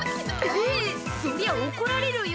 ええっそりゃおこられるよ。